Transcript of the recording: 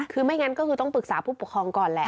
คือไม่งั้นก็คือต้องปรึกษาผู้ปกครองก่อนแหละ